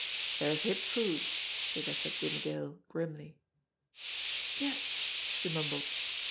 "There's Hip Foo's," suggested Jimmie Dale grimly. "Yes," she mumbled.